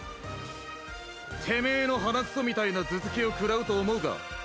「てめえの鼻くそみたいな頭突きを食らうと思うか？」